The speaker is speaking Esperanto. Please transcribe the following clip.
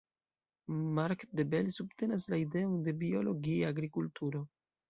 Marc De Bel subtenas la ideon de biologia agrikulturo.